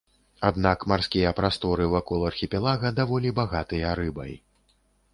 Аднак марскія прасторы вакол архіпелага даволі багатыя рыбай.